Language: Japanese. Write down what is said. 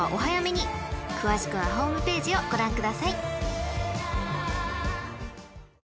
［詳しくはホームページをご覧ください］